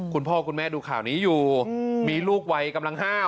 คุณพ่อคุณแม่ดูข่าวนี้อยู่มีลูกวัยกำลัง๕